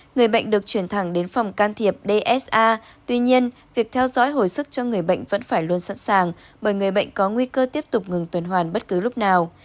người bệnh được chuyển thẳng đến phòng can thiệp dsa tuy nhiên việc theo dõi hồi sức cho người bệnh vẫn phải luôn sẵn sàng bởi người bệnh có nguy cơ tiếp tục ngừng tuần hoàn bất cứ lúc nào